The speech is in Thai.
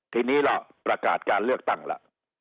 ทีนี้ล่ะประกาศการเลือกตั้งล่ะ